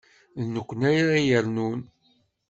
D nekkni ara yernun.